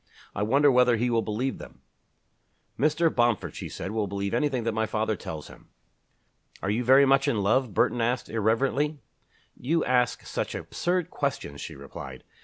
I wonder whether he will believe them?" "Mr. Bomford," she said, "will believe anything that my father tells him." "Are you very much in love?" Burton asked, irrelevantly. "You ask such absurd questions," she replied.